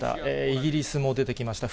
イギリスも出てきました。